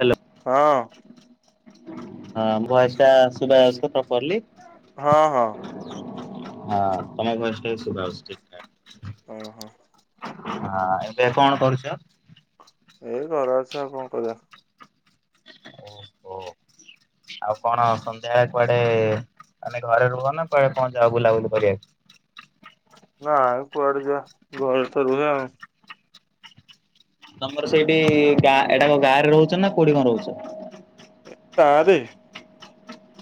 Hello. ହଁ। ହଁ voice ଟା ଶୁବା ଯାଉଚି ତ ପ୍ରପର୍ଲି? ହଁ ହଁ। ହଁ ତମ ଭଏସଟା ବି ଶୁବା ହୋ ଲଉଛି ଠିକ୍ ଠାକ୍। ଓ ହୋ। ଆ ଆ ଏବେ କଣ କରୁଛ? ଏଇ ଘରେ ଅଛି ଆଉ କଣ କରିବା। ଓ ହୋ। ଆଉ କଣ ସନ୍ଧ୍ୟାବେଳେ କୁଆଡେ ଆମେ ଘରେ ରୁହ ନା କୁଆଡେ କଣ ଯାଅ ବୁଲାବୁଲି କରିବାକୁ? ନାଇ କୁଆଡେ ଯିବା ଘରେତ ରୁହେ ଆଉ। ତମର ସେଇଠି ଗାଁ ଏଟା କଣ ଗାଁରେ ରହୁଛ ନା କଉଁଠି କଣ ରହୁଛ? ଗାଁରେ।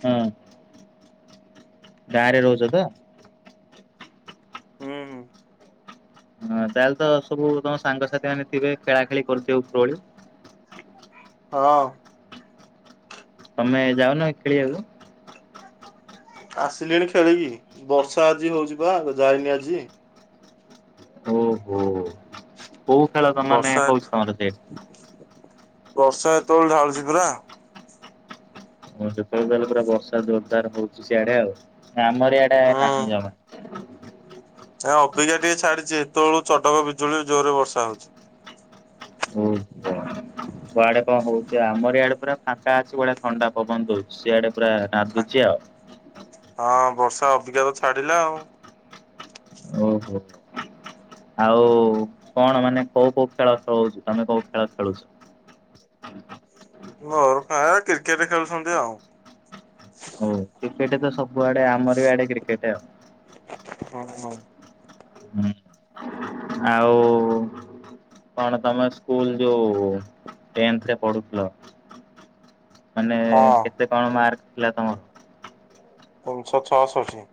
ହଁ। ଗାଁରେ ରହୁଛ ତ? ହୁଁ ହୁଁ। ହଁ ତାହେଲେ ତ ସବୁ ତମ ସାଙ୍ଗସାଥି ମାନେ ଥିବେ ଖେଳାଖେଳି କରୁଥିବେ ଉପରଓଳି। ହଁ। ତମେ ଯାଉନକି ଖେଳିବାକୁ? ଆସିଲିଣି ଖେଳିକି ବର୍ଷା ଆଜି ହଉଛି ବା ଯାଇନି ଆଜି। ହୁଁ। ଓହୋ। ବର୍ଷାତ ସେଇଠି? ବର୍ଷା ଏତେବେଳୁ ଢାଳୁଛି ପରା। ଯେତେବେଳେ ହେଲେ ପୁରା ବର୍ଷା ଜୋରଦାର ହଉଛି ସେଆଡେ ଆଉ ଆମର ଏଇଆଡେ ନାହିଁ ଜମା। ଏଁ ଅବିକ ଟିକେ ଛାଡିଛି ସେତେବେଳୁ ଚଡକ ବିଜୁଳି ଜୋରରେ ବର୍ଷା ହଉଛି। ହୁଁ। କୁଆଡେ କଣ ହଉଛି ଆମର ଇଆଡେ ପୁରା ଫାଙ୍କା ଅଛି ବଢିଆ ଥଣ୍ଡା ପବନ ଦଉଛି। ସିଆଡେ ପୁରା ନାଦୁଛି ଆଉ। ହଁ ବର୍ଷା ଅବିଗା ଛାଡିଲା ଆଉ। ଓହୋ। ଆଉ କଣ ମାନେ କୋଉ କୋଉ ଖେଳ ଖେଳଉଛୁ ତମେ କୋଉ ଖେଳ ଖେଳୁଛ? ମୋର ପ୍ରାୟେ କ୍ରିକେଟ ଖେଳୁଛନ୍ତି ଆଉ। ହୁଁ କ୍ରିକେଟ ତ ସବୁଆଡେ ଆମର ବି ଆଡେ କ୍ରିକେଟ ଆଉ। ହଁ ହଁ। ହୁଁ ଆଉ। କଣ ତମେ ସ୍କୁଲ ଯୋଉରେ ଟେନ୍ଥ ପଢୁଥିଲ। ମାନେ ହଁ କେତେ କଣ ମାର୍କ ଥିଲା ତମର? ତିନିଶହ ଛଅଷଠି।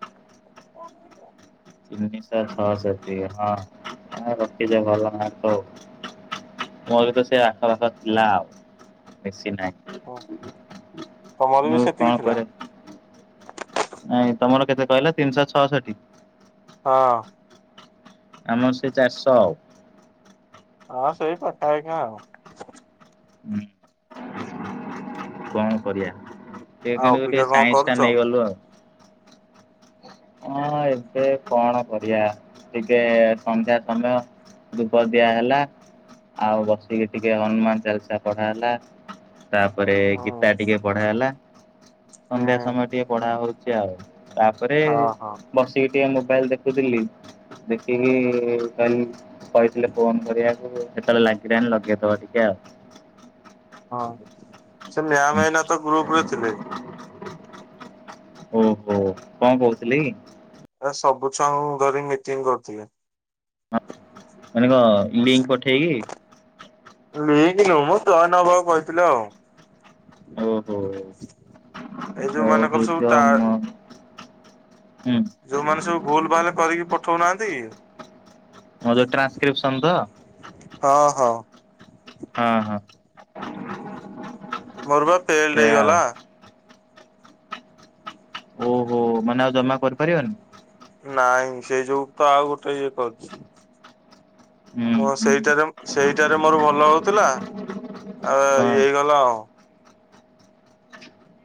ତିନିଶହ ଛଅଷଠି ହଁ ଆ ରଖିଛ ଭଲ ମାର୍କ ଆଉ। ମୋ ବି ତ ସେ ଆଖପାଖ ଥିଲା ଆଉ ବେଶୀ ନାହିଁ। ହୁଁ ତମର ମୁଁ ବି କଣ ସେତିକି ଥିଲା। କରେ ନାଇଁ ତମର କେତେ କହିଲା ତିନିଶହ ଛଅଷଠି। ହଁ। ଆମର ସେ ଚାରିଷ। ହଁ ସେଇ ପଠା ହେଇକା ଆଉ। ହୁଁ କଣ କରିବାଆ ଟ ଆଉ କିନ୍ତୁ ଟିକେ ଅବିକା କଣ ସାଇନ୍ସ ଟା କରୁଛ? ନେଇଗଲୁ ଆଉ। ହଁ ଏବେ କଣ କରିବା ଟିକେ ସନ୍ଧ୍ୟା ସମୟ ଦୁପ ଦିଆହେଲା ଆଉ ବସିକି ଟିକେ ହନୁମାନ ଚାଲିସା ପଢା ହେଲା। ତାପରେ ହୁଁ ଗୀତା ଟିକେ ପଢା ହେଲା ସନ୍ଧ୍ୟା ହୁଁ ସମୟ ଟିକେ ପଢା ହଉଛି ଆଉ ତା ତା ପରେ ହଁ ହଁ ବସିକି ଟିକେ ମୋବାଇଲ ଦେଖୁଥିଲି ଦେଖିକି କହିଲ କହିଥିଲେ ଫୋନ କରିବାକୁ କେତେବେଳେ ଲାଗିଲାଣି ଲଗେଇଦବ ଟିକେ ଆଉ ହଁ ସେ ମ୍ୟାମ ଆଉ ଏଇନା ତ ଗ୍ରୁପ ରେ ଥିଲେ। ଓହୋ କଣ କହୁଥିଲି କି? ଆ ସବୁ ଛୁଆଙ୍କୁ ଧରି ମିଟିଂ କରୁଥିଲେ। ମାନେ କଣ ଲିଙ୍କ ପଠେଇକି? ଲକ ନୁହଁ ମୁଁ ଯଏନ ହବାକୁ କହିଥିଲି ଆଉ। ଓହୋ। ଏଇ ଯୋଉ ଆଉ ମାନଙ୍କର ସବୁ ହେଇଥ ଟା ମ ହୁଁ। ଯୋଉମାନେ ସବୁ ଭୁଲ ଭାଲ କରିକି ପଠଉନାହାନ୍ତି କି? ମୋ ଯୋଉ ଟ୍ରାନ୍ସକ୍ରିପସନ ତ ହଁ ହଁ। ହଁ ହଁ। ମୋର ବା ଫେଲଡ ସେଇଆ ହେଇଗଲା। ଓହୋ ମାନେ ଆଉ ଜମା କରିପାରିବନି। ନାଇଁ ସେଇ ଯୋଗୁ ତ ଆଉ ଗୋଟେ ଇଏ କରୁଛି ହୁଁ ମୁଁ ହୁଁ ସେଇଟାରେ ସେଇଟାରେ ମୋର ଭଲ ହଉଥିଲା ଆଉ ହଁ ଇଏ ହେଇଗଲା ଆ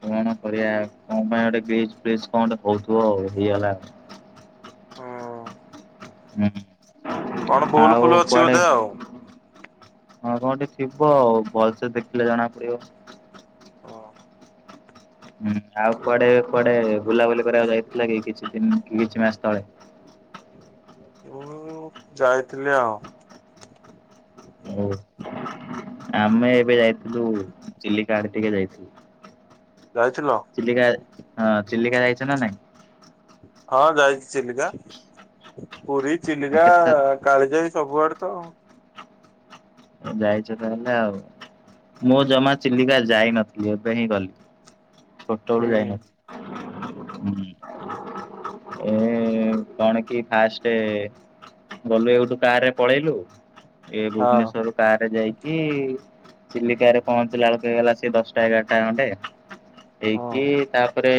କଣ କରିବା କଣ ପାଇଁ ଗୋଟେ କଣେ ହଉଥିବ ଆଉ ହେଇଗଲା ଆଉ ହୁଁ କଣ ହୁଁ ଭୁଲ ଆଉ ଫୁଲ ଅଛି କୁଆଡେ ବୋଧେ ଆଉ। ହଁ କଣଠିକ ଥିବ ଆଉ ଭଲସେ ଦେଖିଲେ ଜଣା ପଡିବ ହଁ ହୁଁ ଆଉ କୁଆଡେ କୁଆଡେ ବୁଲାବୁଲି କରିବାକୁ ଯାଇଥିଲା କି କିଛି ଦ କି କିଛି ମାସ ତଳେ ମୁଁ ଯାଇଥିଲି ଆଉ ଆମେ ଏବେ ଯାଇଥିଲୁ ଚିଲିକା ଟିକେ ଯାଇଥିଲୁ ଯାଇଥିଲ ଚିଲିିକା ହଁ ଚିଲିିକା ଯାଇଛ ନା ନଁ ହଁ ଯାଇଛି ଚିଲିକା ପୁରୀ ଆଉ ଚିଲିକା କେତେ କାଳିଜାଇ ସବୁଆଡେ ତ ଯାଇଛ ତାହଲେ ଆଉ ମୁଁ ଜମା ଚିଲିକା ଯାଇନଥିଲି ଏବେ ହିଁ ଗଲି ଛୋଟ ବେଳୁ ହୁଁ ଯାଇନଥିଲ ହଁ ଏ କଣ କି ଫାଷ୍ଟ ଗଲୁ ଏ ଗୋଠୁ କା ରେ ପଳେଇଲୁ ଏ ହଁ ଭୁବନେଶ୍ଵର କ ରେ ଯାଇକି ଚିଲିକା ରେ ପହଞ୍ଚିଲା ବେଳକୁ ଗଲା ସେ ଦଶଟା ଏଗାରଟା ଖଣ୍ଣ୍ଡେ ହଁ ହେଇକି ତା ତାପରେ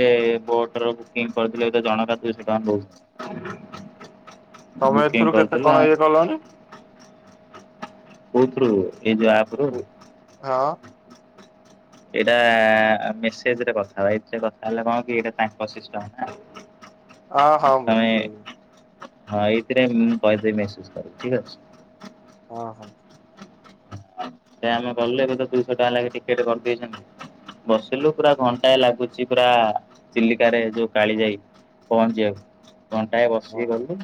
ବୋଟର ବୁକିଂ କରିଥିଲେ ଏ ଜଣକା [unintelligible] ତମେ ବୁକିଂ ଏଥିରୁ କେତେ କରିଥିଲା। କଣ ଇଏ କଲଣି? କଉଥିରୁ ନିଜ ଆପ ରୁ ହଁ, ଏଇଟା ମେସେଜରେ କଥା ହେବା ଏଇଥିରେ କଥା ହେଲେ କଣ କି ଏଇଟା ତାଙ୍କ ସିଷ୍ଟମ୍ ଟା ହଁ, ହଁ ବୁଝୁ ହଁ, ଏଇଥିରେ [unintelligible] ଠିକ ଅଛି। ଓହୋ! ସେ ଆମେ ଗଲେ ଏବେ ତ ଦୁଇଶହ ଟଙ୍କା ଲାଗି ଟିକେଟ କରିଦେଚନ୍ତି। ବସିଲୁ ପୁରା ଘଣ୍ଟାଏ ଲାଗୁଛି ପୁରା ଚିଲିକାରେ ଯୋଉ କାଳିଜାଇ। ପହଞ୍ଚିବାକୁ ଘଣ୍ଟାଏ ହଁ ବସିକି ହଁ। ଗଲୁ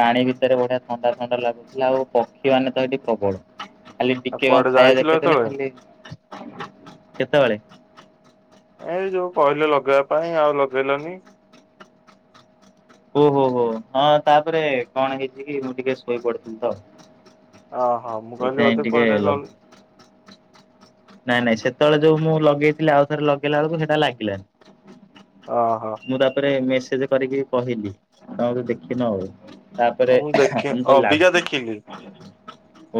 ପାଣି ଭିତରେ ବଢିଆ ଥଣ୍ଡା ଥଣ୍ଡା ଲାଗୁଥିଲା ଆଉ ପକ୍ଷୀ ମାନେ ତ ହେଠି ପ୍ରବଳ। ଖାଲି ଆଉ ଟିକେ କଣ କୁଆଡେ ଖାଇବା ଯାଇଥିଲ ଦେଖେଇଦେଲେ ସେତେବେଳେ? ଖାଲି କେତେବେଳେ? ଏ ଯୋଉ କହିଲେ ଲଗେଇବା ପାଇଁ ଆଉ ଲଗେଇଲନି ଓହୋ ହୋ ହଁ ତାପରେ କଣ ହେଇଛି କି ମୁଁ ଟିକେ ଶୋଇପଡିଥିଲି ତ ଓହଁ ମୁଁ କହିଲି ସେଥିପାଇଁ ମତେ ଟିକେ ପଟା କହିଲି ନାଇଁ ନାଇଁ ସେତେବେଳେ ଯୋ ମୁଁ ଲଗେଇଥିଲି ଆଉ ଥରେ ଲଗେଇଲା ବେଳକୁ ସେଇଟା ଲାଗିଲାନି ଓହୋ! ମୁଁ ତାପରେ ମେସେଜ କରିକି କହିଲି ତମେ ଦେଖିନ ଆଉ। ତାପରେ ହଉ ମୁଁ ଦେଖେ କହିଲି ଲାଗୁ ଅବିକା ଦେଖିଲି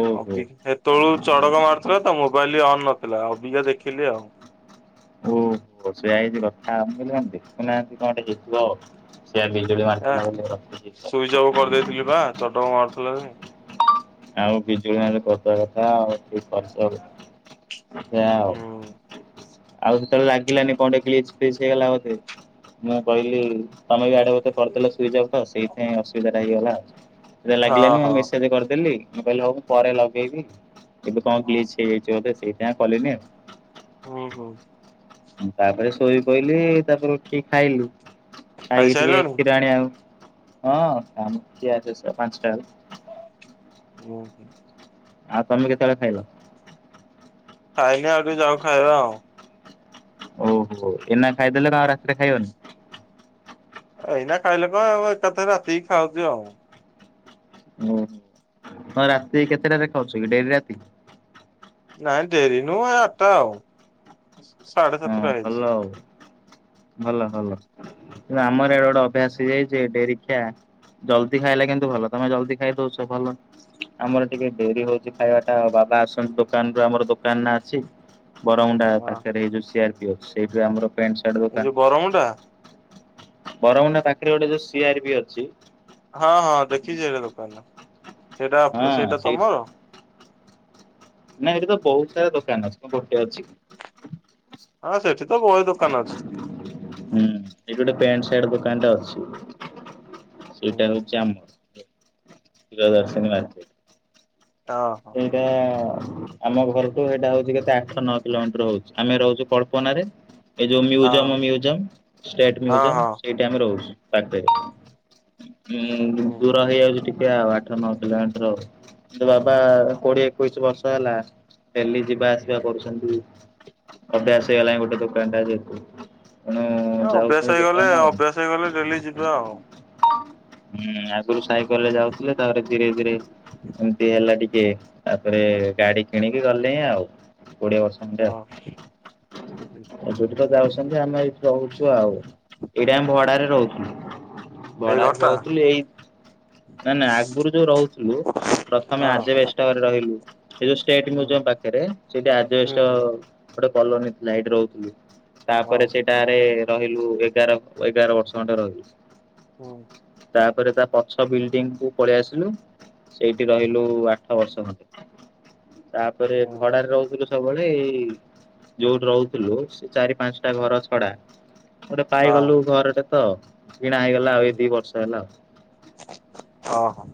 ଓହୋ ଅବି ସେତେବେଳକୁ ଚଡକ ମାରୁଥିଲା ତ ମୋବାଇଲ ବି ଅନ୍ ନଥିଲା ଅବିକା ଦେଖିଲି ଆଉ। ଓହୋ! ସେଇଆ ହେଇଛି କଥା ମୁଁ କହିଲି କଣ ଦେଖୁନାହାନ୍ତି କଣ ଗୋଟେ ହେଇଥିବ ଆଉ ସେଇଆ ବିଜୁଳି ମାରୁଥିଲା ଥିଲି ବା ଚଡ଼କୁ ମାରୁଥିଲେ ଆଉ ବିଜୁଳି ମାଇଲେ କରିଦବା କଥା ଆଉ ଫସଲ ସେଇଆ ଆଉ ହୁଁ। ଆଉ ସେତେବେଳେ ଲାଗିଲାନି କଣ ଟେ ଗ୍ଲିଚ ପ୍ଲିଚ ହେଇଗଲା ବୋଧେ ମୁଁ କହିଲି ତମେ ବି ଆଡେ ବୋଧେ କରିଦେଲ ସୁଇଜି ଅଫ ତ ସେଇଥିପାଇଁ ଅସୁବିଧା ଟା ହେଇଗଲା ଆଉ। ହଁ ଲାଗିଲାନି ମୁଁ ହଁ। ମେସେଜ କରିଦେଲି ମୁଁ କହିଲେ ହଉ ପରେ ଲଗେଇବି ଏବେ କଣ ଗ୍ଲିଚ ହେଇଯାଇଛି ବୋଧେ ସେଇଥିପାଇଁ ଆଉ କଲିନି ହୁଁ, ହୁଁ, ତାପରେ ଶୋଇପଇଲି, ତାପରେ ଉଠିକି ଖାଇଲୁ। ଖାଇକି ଟିକେ ଖାଇସାରିଲଣି? କ୍ଷୀର ଆଣି ବାକୁ ହଁ [unintelligible] ପାଞ୍ଚଟା ହଉ। ହୁଁ। ଆଉ ତମେ କେତେବେଳେ ଖାଇଲ। ଖାଇନି ଆଉ ଟିକେ ଯାଉ ଖାଇବା ଆଉ। ଓହୋ ଏନା ଖାଇଦେଲେ ଆଉ ରାତିରେ ଖାଇବନି। ଏଇନା ଖାଇଲେ କଣ ଆଉ ଏକାଥରେ ରାତିକି ଖାଉଛି ଆଉ। ଓ ହଁ, ରାତି କେତେଟାରେ ଖାଉଛ କି ଡେରି ରାତି। ନାଇଁ ଡେରି ନୁହଁ ଏ ଆଠଟା ଆଉ, ସାଢେ ହଁ ସାତଟା ଭଲ ହେଇଛି। ଆଉ ଭଲ ଭଲ କିନ୍ତୁ ଆମର ଇଆଡେ ଗୋଟେ ଅଭ୍ୟାସ ହେଇଯାଇଛି ଡେରି ଖିଆ। ଜଲଦି ଖାଇଲେ କିନ୍ତୁ ଭଲ ତମେ ଜଲଦି ଖାଇ ଦଉଛ ଭଲ। ଆମର ଟିକେ ଡେରି ହଉଛି ଖାଇବା ଟା ବାବା ଆସନ୍ତି ଦୋକାନରୁୁ ଆମର ଦୋକାନ ନା ଅଛି। ବରମୁଣ୍ଡା ହଁ ପାଖରେ ହେଇଯୋଉ ସିଆରପିଓ ସେଇଠି ଆମର ପ୍ୟାଣ୍ଟ ସାର୍ଟ ଦୋକାନ। କଁ ଟା। ବରମୁଣ୍ଡା ପାଖରେ ଗୋଟେ ଯୋଉ ସିଆର ପି ଅଛି। ହଁ ହଁ ଦେଖିଛି ସେଇଟା ଦୋକାନ ସେଇଟା ହଁ ସେଇଟା ସେଇ ତମର। ନା ଏଇଠି ତ ବହୁତ ସାରା ଦୋକାନ ଅଛି କଣ ଗୋଟେ ଅଛି କି? ହଁ ସେଠି ତ ବହେ ଦୋକାନ ଅଛି। ହୁଁ ସେଇଠି ଗୋଟେ ପ୍ୟାଣ୍ଟ, ସାର୍ଟ ଦୋକାନ ଟା ଅଛି ହୁଁ ସେଇଟା ହୁଁ ହଉଛି ଆମ ପ୍ରିୟଦଶ୍ରୀନି ମାର୍କେଟ। ଅ ହଁ। ଏଟା ଆମ ଘରଠୁ ହେଟା ହଉଛି କେତେ ଆଠହ ନଅ କିଲୋମିଟର ହଉଛି ଆମେ ରହୁଛୁ କଳ୍ପନାରେ। ଏଇ ଯୋଉ ମିଉଜିଅମ ହଁ ମିଉଜିଅମ ଷ୍ଟେଟ ହଁ ମିଉଜିଅମ ହଁ। ସେଇଠି ଆମେ ରହୁଛ ପାଖରେ। ଉଁ ହୁଁ ହୁଁ ଦୂର ହେଇଯାଉଛି ଟିକେ ଆଉ ଆଠ ନଅ କିଲୋମିଟର ସେ ବା କୋଡିଏ ଏକୋଇଶ ବର୍ଷ ହେଲା ଡେଲି ଯିବା ଆସିବା କରୁଛନ୍ତି। ଅଭ୍ୟାସ ହେଇଗଲାଣି ଗୋଟେ ଦୋକାନଟା ଯେହେତୁ। ତେଣୁ ଯାଉଛନ୍ତି ଅଭ୍ୟାସ ହେଇଗଲେ ଦୋକାନ ଆଉ। ଅଭ୍ୟାସ ହେଇଗଲେ ଡେଲି ଯିବା ଆଉ। ହୁଁ ଆଗରୁ ସାଇକେଲ ରେ ଯାଉଥିଲେ ତାପରେ ଧୀରେ ଧୀରେ ଏମତି ହେଲା। ଟିକେ ତାପରେ ଗାଡି କିଣିକି ଗଲେ ଆଉ କୋଡିଏ ବର୍ଷ ଖଣ୍ଡେ ଆଉ। ଆଉ। ଏଇ ଏ ଦୁଠି ତ ଯାଉଛନ୍ତି ଆମେ ଏଇଠି ରହୁଛୁ ଆଉ। ଏଇଟା ଆମେ ଭଡାରେ ରହୁଥିଲୁ ଭଡାରେ ଘରଟା ରହୁଥିଲୁ ଏଇ ନାଇଁ ନାଇଁ ଆଗରୁ ଯୋଉ ରହୁଥିଲୁ ପ୍ରଥମେ ଆ ହଁ ଷ୍ଟଲ ଲଗେଇଲୁ ସେ ଯୋଉ ଷ୍ଟେଟ ହୁଁ ମିଉଜମ ପାଖରେ ସେଠି ହୁଁ ଆଜବେଷ୍ଟ ହୁଁ ଗୋଟେ କଲୋନୀ ଥିଲା ହେଇଠି ରହୁଥିଲୁ ହଁ ତାପରେ ସେଟାରେ ରହିଲୁ ଏଗାର ଏଗାର ବର୍ଷ ଖଣ୍ଡେ ରହିଲୁ। ହୁଁ। ତାପରେ ତା ପଛ ବିଲଡିଙ୍ଗ କୁ ପଳେଇ ଆସିଲୁ ସେଇଠି ରହିଲୁ ଆଠ ବର୍ଷ ଖଣ୍ଡେ। ତାପରେ ହୁଁ ହୁଁ ଭଡାରେ ରହୁଥିଲୁ ସବୁବେଳେ ଏଇ। ଯୋଉଠି ରହୁଥିଲୁ ସେ ଚାରି ପାଞ୍ଚଟା ଘର ଛଡା ଗୋଟେ ହଁ ପାଇଗଲୁ ଘର ଟେ। ତ କିଣା ହେଇଗଲା ଆଉ ଏଇ ଦି ବର୍ଷ ହେଲା ଆଉ। ଅ ହଁ।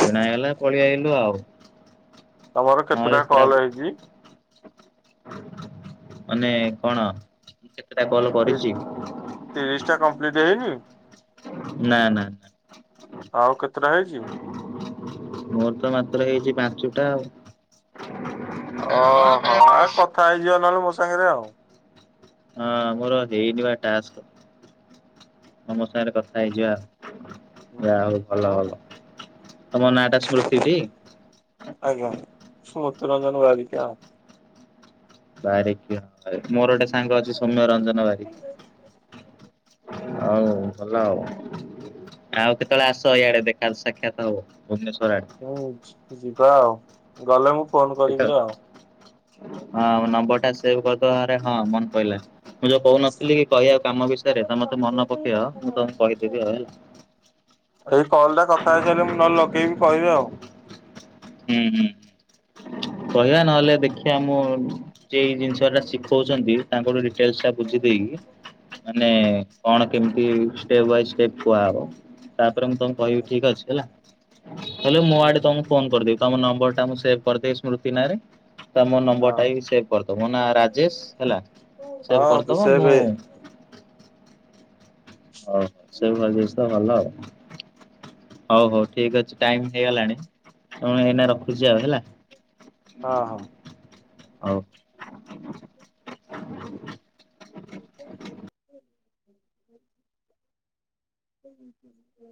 କିଣା ହେଇଗଲା ପଳେଇଆଇଲୁ ଆଉ। ତମର ନହେଲେ କେତେଟା ପୁରା କଲ ହେଇଛି। ମାନେ କଣ କେତେଟା କଲ କରିଛି। ତିରିଶ ଟା କମ୍ପ୍ଲିଟ ହେଇନି। ନା ନା। ଆଉ କେତେଟା ହେଇଛି। ମୋର ତ ମାତ୍ର ହେଇଛି ପାଞ୍ଚଟା ଆଉ। ଅହ ଆ ହଁ କଥା ହେଇଯିବ ନହେଲେ ମୋ ସାଙ୍ଗରେ ଆଉ। ହଁ ମୋର ହେଇନିବା ଟାସ୍କ। ତମ ସାଙ୍ଗରେ କଥା ହେଇଯିବା। ଯା ହଉ ଭଲ ମୁଁ ଭଲ ତମ ନାଟା ସ୍ମୃତିଟି ଆଜ୍ଞା ମତ୍ୟୁରଞ୍ଜନ ଗିକା ବାରିକ ମୋର ଗୋଟେ ସାଙ୍ଗ ଅଛି ସୌମ୍ୟ ରଞ୍ଜନ ବାରିକ ହଉ ଭଲ ଆଉ ଆଉ କେତେବେଳେ ଆସ ଇଆଡେ ଦେଖା ସାକ୍ଷାତ ହବ ଭୁବନେଶ୍ଵର ଆଡେ ହଁ ଯିବା ଆଉ ଗଲେ ମୁଁ ଫୋନ କରିବି ଆଉ। ହଁ ନମ୍ବର ଟା ସେଭ କରିଦରେ ହଁ ମନ ପଇଲାଣି ମୁଁ ଯୋଉ କହୁନଥିଲି କି କହ ଆଉ କାମ ବିଷୟରେ ତ ମତେ ମନେ ପକେଇ ଆ ମୁଁ ତମକୁ କହିଦେବି ଆଉ ହେଲା ଏଇ କଲ ଟା କଥା ହେଇସାରିଲେ ମୁଁ ନହଲେ ଲଗେଇବି କହିବି ଆଉ ହୁଁ ହୁଁ କହିବା ନହେଲେ ଦେଖ ସେମ ସେ ଜିନିଷ ଟା ଶିଖଉଛନ୍ତି ତାଙ୍କଠ ଡିଟେଲସ ଟା ବୁଝି ଦେଇେଇକି ମାନେ କଣ କେମିତି ଷ୍ଟେପ ବାଇେ ଷ୍ଟେପ କୁହାହବ ତାପରେ ମୁଁ ତମକୁ କହିବି ହୁଁ ଠିକ ଅଛି ହେଲା ହେଲେ ମୁଁ ହୁଁ ଆଡେ ହଁ ତମକୁ ଫୋନ କରିଦେବି ତମ ନମ୍ବର ଟା ମୁଁ ସେ କରିଦେଇ ସ୍ମୃତି ନାଁରେ ତା ମୋ ନମ୍ବରଟା ବି ସେଭ୍ କରିଦବ ମୋ ନାଁ ରାଜେଶ ହେଲା ସେଭ୍ ହଁ କରିଦବ ମୁଁ ହଉ ସେ ଭ ଜଷ ତ ଭଲ ଆଉ ହଉ ହଉ ଠିକ ଅଛି ଟାଇମ ହେଇଗଲାଣି ମୁ ଏଇନା ରଖୁଛି ଆଉ ହେଲା। ହଁ ହଁ। ହଉ। [inaudible] ହୁଁ ହୁୁ।